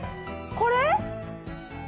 これ？